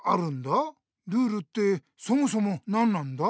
ルールってそもそも何なんだ？